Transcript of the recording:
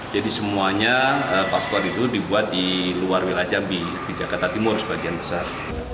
semuanya paspor itu dibuat di luar wilayah jambi di jakarta timur sebagian besar